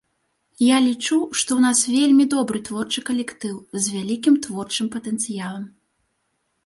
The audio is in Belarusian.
Я лічу, што ў нас вельмі добры творчы калектыў, з вялікім творчым патэнцыялам.